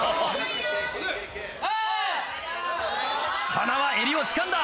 塙襟をつかんだ。